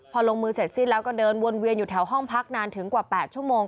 พอลงมือเสร็จสิ้นแล้วก็เดินวนเวียนอยู่แถวห้องพักนานถึงกว่า๘ชั่วโมง